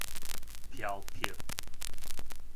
飄泊